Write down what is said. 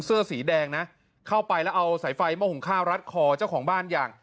เสื้อสีแดงนะเข้าไปแล้วเอาสายไฟหม้อหุงข้าวรัดคอเจ้าของบ้านอย่าง